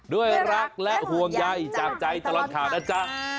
ด้วยรักและห่วงใยจากใจตลอดข่าวนะจ๊ะ